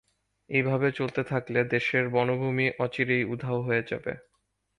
এইভাবে চলতে থাকলে দেশের বনভূমি অচিরেই উধাও হয়ে যাবে।